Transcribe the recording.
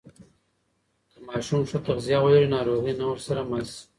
که ماشوم ښه تغذیه ولري، ناروغي نه ورسره مل شي.